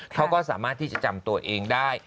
เขาก็สามารถที่จะจำตัวเองได้